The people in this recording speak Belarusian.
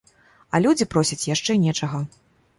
А людзі просяць яшчэ нечага.